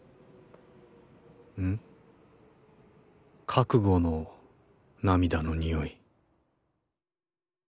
覚悟の涙の匂い。